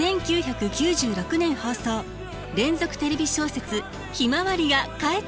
１９９６年放送連続テレビ小説「ひまわり」が帰ってくる。